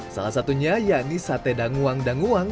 salah satunya yakni sate danguang danguang